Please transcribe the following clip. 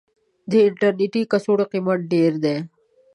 د انټرنيټي کڅوړو قيمت ډير ده.